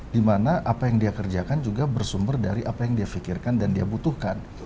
dimana apa yang dia kerjakan juga bersumber dari apa yang dia pikirkan dan dia butuhkan